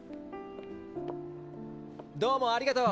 どうもありがとう！